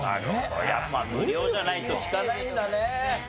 やっぱ無料じゃないと聴かないんだね。